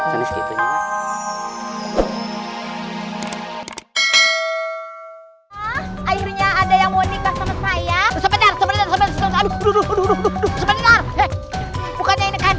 akhirnya ada yang monik bahasa mesra ya